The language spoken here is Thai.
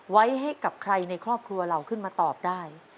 ไว้ให้กับใครในครอบครัวเราขึ้นมาตอบได้